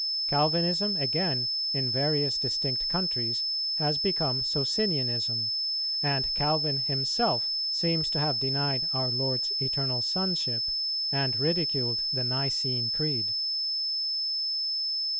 Calvinism, again, in various distinct countries, has become Socinianism, and Calvin himself seems to have denied our Lord's Eternal Sonship and ridiculed the Nicene Creed.